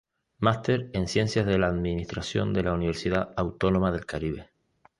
Máster en Ciencias de la Administración de la Universidad Autónoma del Caribe.